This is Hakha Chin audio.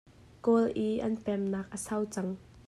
Kawl i an pemnak a sau cang.